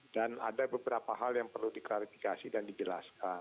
dan ada beberapa hal yang perlu diklarifikasi dan dijelaskan